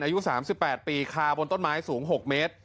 อายุ๓๘ปีคาบนต้นไม้สูง๖เมตร